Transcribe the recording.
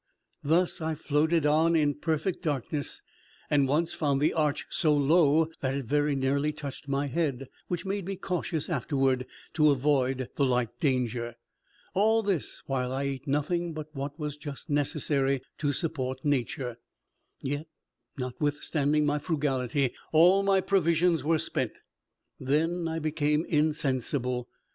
Thus I floated on in perfect darkness, and once, found the arch so low that it very nearly touched my head, which made me cautious afterward to avoid the like danger. All this while I ate nothing but what was just necessary to support nature; yet, notwithstanding my frugality, all my provisions were spent. Then I became insensible.